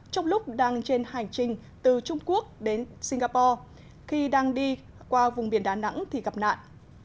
trong lúc đang trên hành trình từ trung quốc đến singapore khi đang đi qua vùng biển đà nẵng thì gặp nạn